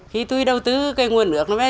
khi tôi đầu tư cái nguồn nước